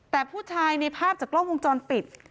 แต่ผู้ชายในภาพจากกล้องวงจรปิด